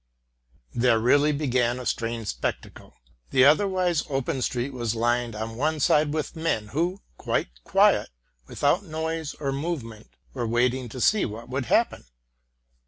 There really began a strange spectacle. The otherwise open street was lined on one side with men who, quite quiet, without noise or movement, were waiting to see what would happen.